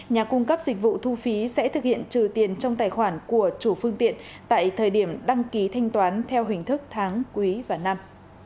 nhà cung cấp dịch vụ thu phí sẽ thực hiện trừ tiền trong tài khoản của chủ phương tiện tại thời điểm đăng ký thanh toán theo hình thức tháng quý và năm